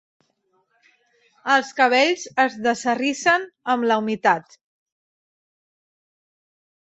Els cabells es desarrissen amb la humitat.